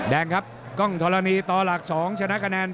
แดงครับกล้องธรณีต่อหลัก๒ชนะคะแนน